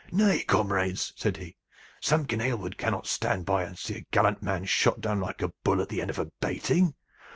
"Nay, comrades!" said he. "Samkin Aylward cannot stand by and see a gallant man shot down like a bull at the end of a baiting.